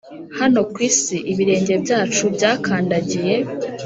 ko hano kwisi ibirenge byacu byakandagiye